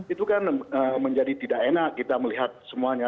itu kan menjadi tidak enak kita melihat semuanya